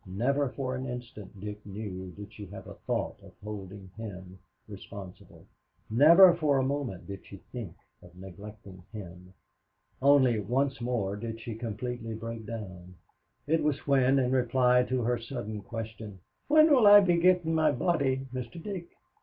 Never for an instant, Dick knew, did she have a thought of holding him responsible. Never for a moment did she think of neglecting him. Only once more did she completely break down. It was when, in reply to her sudden question, "When will I be gettin' my body, Mr. Dick!"